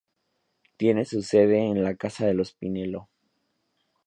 Tiene su sede en la casa de los Pinelo.